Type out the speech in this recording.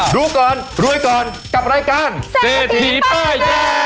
ดูก่อนรวยก่อนกับรายการเศรษฐีป้ายแดง